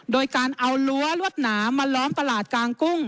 โดยการเอารั้วรวดหนามาล้อมตลาดกลางกุ้ง